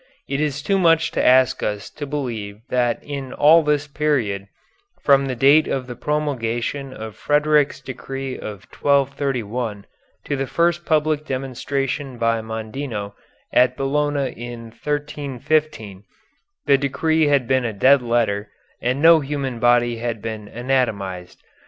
It is too much to ask us to believe that in all this period, from the date of the promulgation of Frederick's decree of 1231 to the first public demonstration by Mondino, at Bologna in 1315, the decree had been a dead letter and no human body had been anatomized.